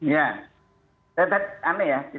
ya aneh ya